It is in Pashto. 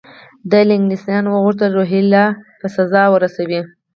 ده له انګلیسیانو وغوښتل روهیله په سزا ورسوي.